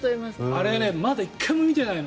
あれ、まだ１回も見てないの。